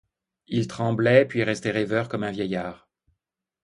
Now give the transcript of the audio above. Il tremblait, puis restait rêveur comme un vieillard.